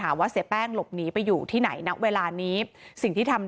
ว่าเสียแป้งหลบหนีไปอยู่ที่ไหนณเวลานี้สิ่งที่ทำ